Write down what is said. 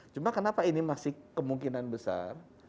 cuma kenapa ini masih kemungkinan besar